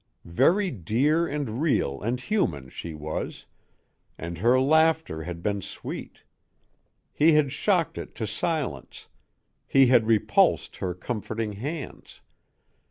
Very dear and real and human she was, and her laughter had been sweet. He had shocked it to silence, he had repulsed her comforting hands.